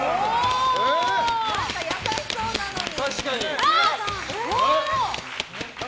何か優しそうなのに。